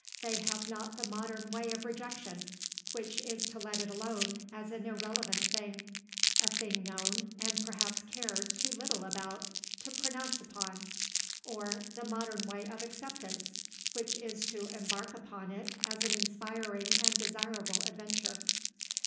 They have not the modern way of rejection, which is to let it alone as an irrelevant thing, a thing known (and perhaps cared) too little about to pronounce upon; or the modern way of acceptance, which is to embark upon it as an inspiring and desirable adventure.